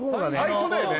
最初だよね